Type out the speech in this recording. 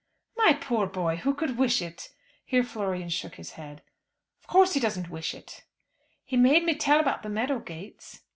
"My poor boy! Who could wish it?" Here Florian shook his head. "Of course he doesn't wish it." "He made me tell about the meadow gates."